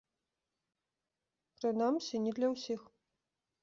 Прынамсі, не для ўсіх.